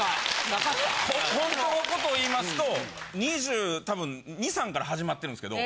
ホントのことを言いますと２０多分２２２３から始まってるんですけど。